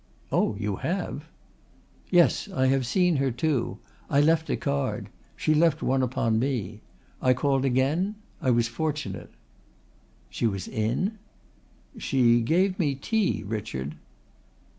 "Oh, you have!" "Yes. I have seen her too. I left a card. She left one upon me. I called again. I was fortunate." "She was in?" "She gave me tea, Richard."